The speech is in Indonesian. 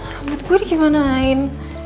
rambut gua dikimanain